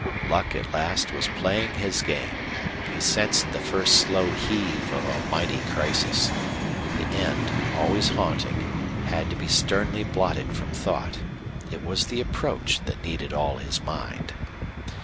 Luck at last was playing his game. He sensed the first slow heave of a mighty crisis. The end, always haunting, had to be sternly blotted from thought. It was the approach that needed all his mind.